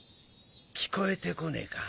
聞こえてこねぇか？